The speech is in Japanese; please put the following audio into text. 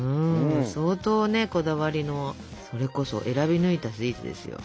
相当ねこだわりのそれこそ選び抜いたスイーツですよ。